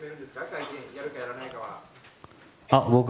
会見をやるかやらないかは。